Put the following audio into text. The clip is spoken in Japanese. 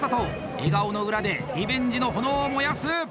笑顔の裏でリベンジの炎を燃やす。